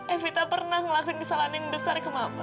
evita pernah ngelakuin kesalahan yang besar ke mama